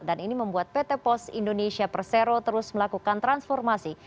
dan ini membuat pt post indonesia persero terus melakukan transformasi